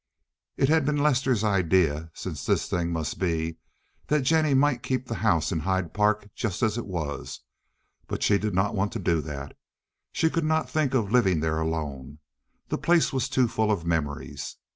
It had been Lester's idea, since this thing must be, that Jennie might keep the house in Hyde Park just as it was, but she did not want to do that. She could not think of living there alone. The place was too full of memories.